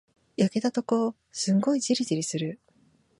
焼けたとこ、すんごいじりじりする。